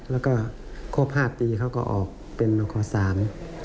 แล้วก็ครบ๕ปีเขาก็ออกเป็นนคสาม